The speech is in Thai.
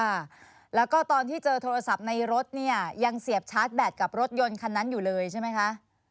ค่ะแล้วก็ตอนที่เจอโทรศัพท์ในรถเนี่ยยังเสียบชาร์จแบตกับรถยนต์คันนั้นอยู่เลยใช่ไหมคะ